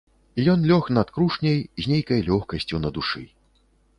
Ён лёг над крушняй з нейкай лёгкасцю на душы.